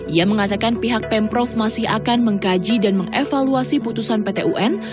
ia mengatakan pihak pemprov masih akan mengkaji dan mengevaluasi putusan pt un